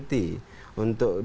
dan itu bijak bijaknya